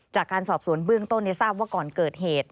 จากการสอบสวนเบื้องต้นทราบว่าก่อนเกิดเหตุ